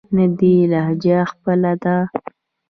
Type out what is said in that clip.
نه دې لهجه خپله ده.